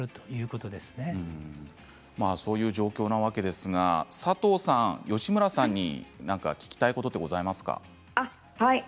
こういう状況なわけですが佐藤さん吉村さんに何か聞きたいことはございますか？